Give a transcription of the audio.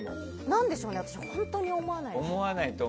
何でしょうね、私本当に思わないです。